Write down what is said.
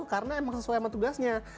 karena emang sesuai sama tugasnya